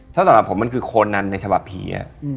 ถ้าสำหรับผมมันคือโคนนั้นในฉบับผี